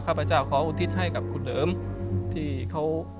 ขพเจ้าขออุทิศให้กับคุณเหลิมที่เขา